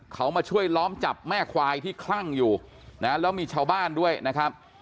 เขามาช่วยล้อมจับแม่ควายที่คลั่งอยู่นะแล้วมีชาวบ้านด้วยนะครับ